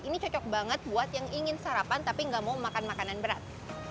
ini cocok banget buat yang ingin sarapan tapi nggak mau makan makanan berat